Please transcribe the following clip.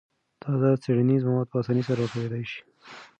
تازه څېړنیز مواد په اسانۍ سره راټولېدای شي.